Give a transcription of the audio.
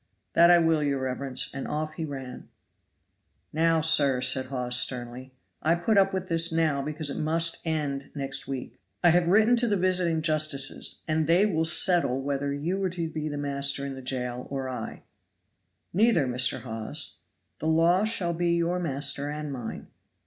"That I will, your reverence," and off he ran. "Now, sir," said Hawes sternly, "I put up with this now because it must end next week. I have written to the visiting justices, and they will settle whether you are to be master in the jail or I." "Neither, Mr. Hawes. The law shall be your master and mine."